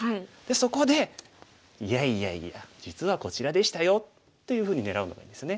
そこで「いやいやいや実はこちらでしたよ」というふうに狙うのがいいんですね。